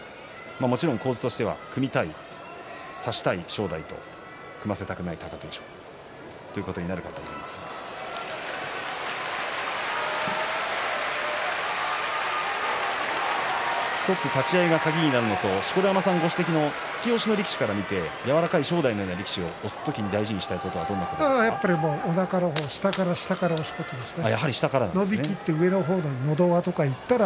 もちろん構図としては組みたい差したい正代と組ませたくない貴景勝ということになるかと思いますが１つ立ち合いが鍵になるのと錣山さんご指摘の突き押しの力士から見て柔らかい正代のような力士を押す時は大事なことは何おなか下の方から押すことですね。